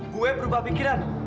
gue berubah pikiran